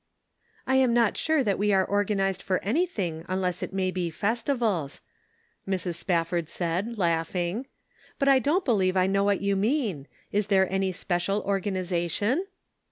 " I am not sure that we are organized for anything unless it may be festivals," Mrs. Spafford said, laughing ;" but I don't believe I know what you mean. Is there any special organization?"